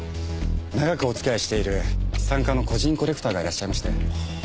長くおつきあいしている資産家の個人コレクターがいらっしゃいまして。